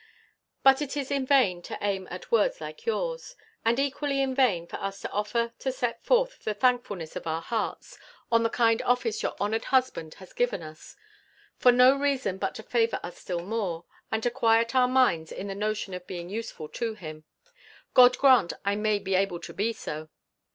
But it is in vain to aim at words like yours: and equally in vain for us to offer to set forth the thankfulness of our hearts, on the kind office your honoured husband has given us; for no reason but to favour us still more, and to quiet our minds in the notion of being useful to him. God grant I may be able to be so!